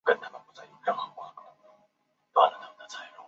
维朗德里。